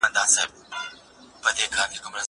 زه اجازه لرم چي ليک ولولم!؟